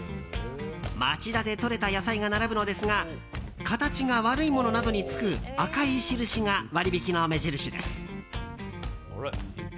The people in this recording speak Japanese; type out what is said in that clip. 町田でとれた野菜が並ぶのですが形が悪いものなどにつく赤い印が割引の目印です。